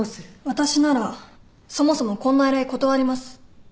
私ならそもそもこんな依頼断ります。